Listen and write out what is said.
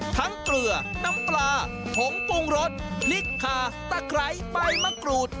ทั้งเกลือน้ำปลาผงปรุงรสพริกขาตะไกรไปมะกรูด